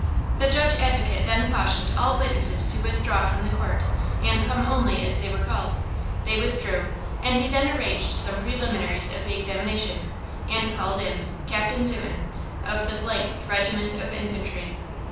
The Judge Advocate then cautioned all witnesses to with draw from the court and come only as they were called. They withdrew, and he then arranged some preliminaries of the examination, and called in–Captain Zuten, of the – Regiment of Infantry.